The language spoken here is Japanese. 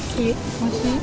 おいしい？